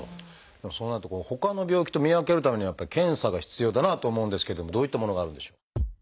でもそうなるとほかの病気と見分けるためにはやっぱり検査が必要だなと思うんですけれどもどういったものがあるんでしょう？